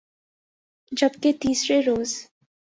جب کہ تیسرے روز